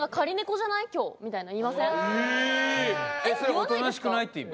「おとなしくない？」って意味？